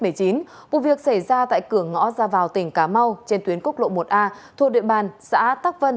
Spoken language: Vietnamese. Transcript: một việc xảy ra tại cửa ngõ ra vào tỉnh cá mau trên tuyến cốc lộ một a thuộc địa bàn xã tắc vân